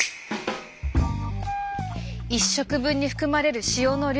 １食分に含まれる塩の量